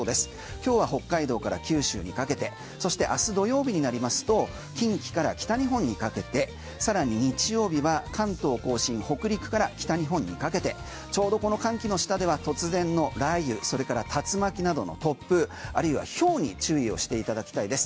今日は北海道から九州にかけてそして明日、土曜日になりますと近畿から北日本にかけて更に日曜日は関東・甲信北陸から北日本にかけてちょうどこの寒気の下では突然の雷雨それから竜巻などの突風あるいはひょうに注意をしていただきたいです。